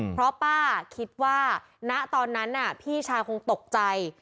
เพราะป้าคิดว่าณตอนนั้นพี่ชายคงตกใจ